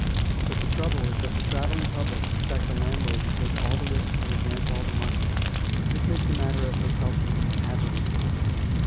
But the trouble is that the traveling public expect a landlord to take all the risks and advance all the money. This makes the matter of hotel keeping a hazardous one.